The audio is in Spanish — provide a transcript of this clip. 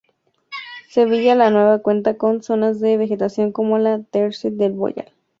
Sevilla la Nueva cuenta con zonas de vegetación como la dehesa del Boyal.